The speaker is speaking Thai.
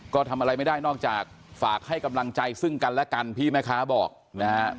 ก็ทำอะไรไม่ได้นอกจากฝากให้กำลังใจซึ่งกันและกันพี่แม่ค้าบอกนะฮะ